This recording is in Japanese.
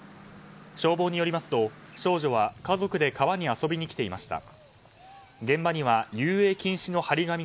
消防によりますと少女は家族で川に遊びに来ていました。